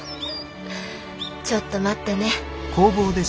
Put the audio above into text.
ちょっと待ってね。